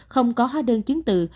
không có hóa đơn chứng tự